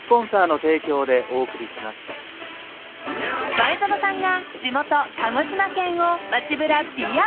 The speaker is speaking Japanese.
［前園さんが地元鹿児島県を街ぶらＰＲ］